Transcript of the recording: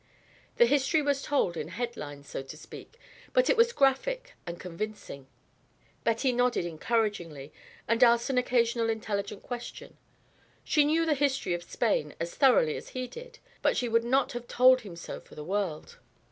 The history was told in head lines, so to speak, but it was graphic and convincing. Betty nodded encouragingly and asked an occasional intelligent question. She knew the history of Spain as thoroughly as he did, but she would not have told him so for the world.